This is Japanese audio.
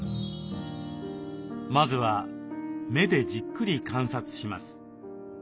まずは目でじっくり観察します。